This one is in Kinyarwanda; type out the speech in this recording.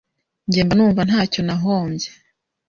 Njye mba numva ntacyo nahombye